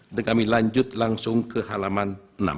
dan kami lanjut langsung ke halaman enam